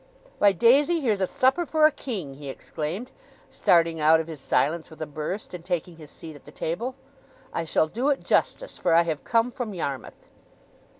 'Why, Daisy, here's a supper for a king!' he exclaimed, starting out of his silence with a burst, and taking his seat at the table. 'I shall do it justice, for I have come from Yarmouth.